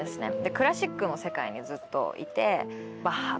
クラシックの世界にずっといて。